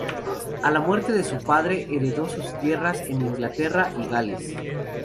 A la muerte de su padre, heredó sus tierras en Inglaterra y Gales.